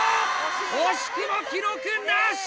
惜しくも記録なし！